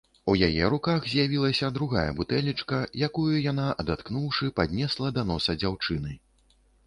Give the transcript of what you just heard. У яе руках з'явілася другая бутэлечка, якую яна, адаткнуўшы, паднесла да носа дзяўчыны.